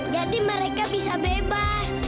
jadi mereka bisa bebas